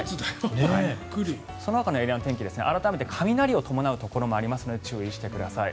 そのほかのエリア改めて雷を伴うところもありますのでご注意ください。